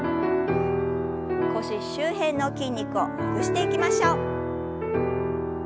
腰周辺の筋肉をほぐしていきましょう。